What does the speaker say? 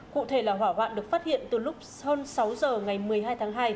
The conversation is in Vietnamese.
cụ thể là hỏa hoạn được phát hiện từ lúc hơn sáu giờ ngày một mươi hai tháng hai